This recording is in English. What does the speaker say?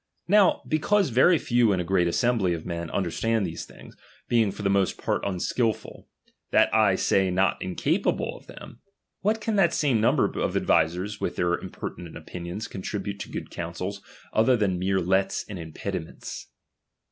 Now, because very few in a great assembly ftf men understand these things, being for the most part unskilful, that I say not incapable of them, '^iaat can that same number of advisers with their 'Cnpertinent opinions contribute to good counsels, •^tlier than mere lets and impediments